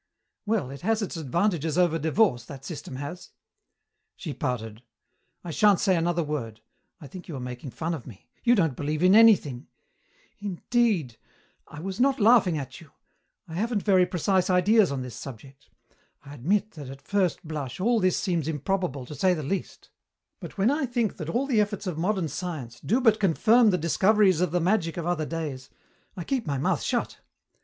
"Well, it has its advantages over divorce, that system has." She pouted. "I shan't say another word. I think you are making fun of me. You don't believe in anything " "Indeed. I was not laughing at you. I haven't very precise ideas on this subject. I admit that at first blush all this seems improbable, to say the least. But when I think that all the efforts of modern science do but confirm the discoveries of the magic of other days, I keep my mouth shut.